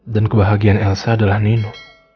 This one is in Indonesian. kebahagiaan elsa adalah nino